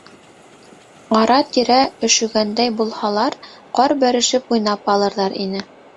Ара-тирә, өшөгәндәй булһалар, ҡар бәрешеп уйнап алырҙар ине.